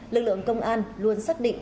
lực lượng công an luôn xác định